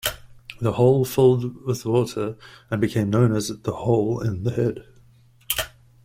The hole filled with water and became known as "The Hole in the Head".